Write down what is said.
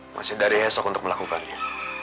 masih dari esok untuk melakukannya